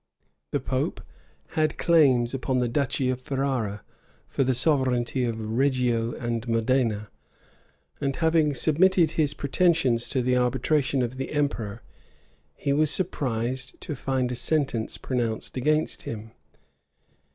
The pope had claims upon the duchy of Ferrara for the sovereignty of Reggio and Modena;[] and having submitted his pretensions to the arbitration of the emperor, he was surprised to find a sentence pronounced against him.